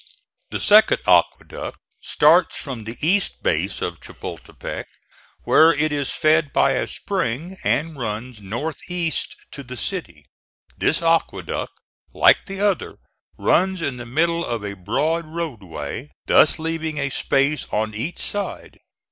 The second aqueduct starts from the east base of Chapultepec, where it is fed by a spring, and runs north east to the city. This aqueduct, like the other, runs in the middle of a broad road way, thus leaving a space on each side.